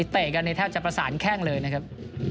เตะกันในแทบจะประสานแข้งเลยนะครับ